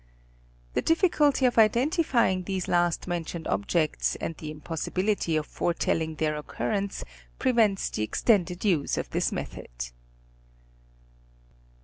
The difi culty of identifying these last mentioned objects and the impos sibility of foretelling their occurrence prevents the extended use of this method.